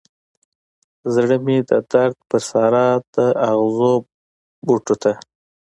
زړه مې د درد پر سارا د اغزو بوټو ته